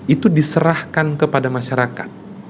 itu diserahkan kepada masyarakat